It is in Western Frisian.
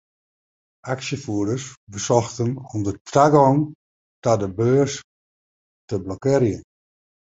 Aksjefierders besochten om de tagong ta de beurs te blokkearjen.